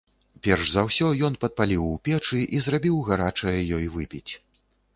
Перш за ўсё ён падпаліў у печы і зрабіў гарачае ёй выпіць.